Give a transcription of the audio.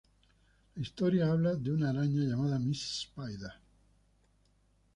La historia habla de una araña llamada Miss Spider.